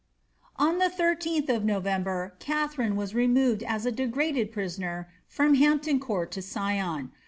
On tlie Idth of November Katharine was removed as a degraded pri soner from Hampton Court to Sion.